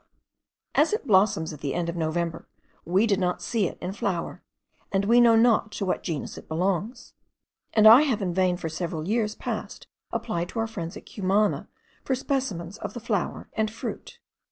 As it blossoms at the end of November, we did not see it in flower, and we know not to what genus it belongs; and I have in vain for several years past applied to our friends at Cumana for specimens of the flower and fruit.